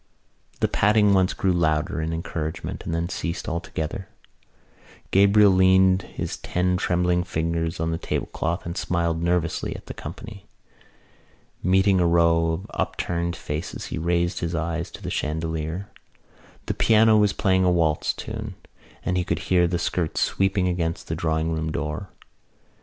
The patting at once grew louder in encouragement and then ceased altogether. Gabriel leaned his ten trembling fingers on the tablecloth and smiled nervously at the company. Meeting a row of upturned faces he raised his eyes to the chandelier. The piano was playing a waltz tune and he could hear the skirts sweeping against the drawing room door.